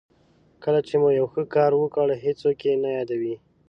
کله چې مو یو ښه کار وکړ هېڅوک یې نه یادوي.